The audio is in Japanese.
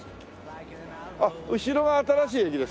あっ後ろが新しい駅ですか？